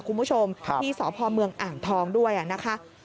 คุณผู้ชมที่สพเมืองอ่างทองด้วยนะคะ